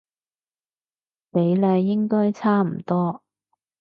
比例應該差唔多